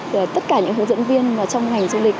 để tất cả những hướng dẫn viên trong ngành du lịch